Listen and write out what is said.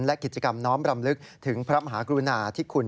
และกิจกรรมน้อมรำลึกถึงพระมหากรุณาที่คุณ